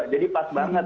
jadi pas banget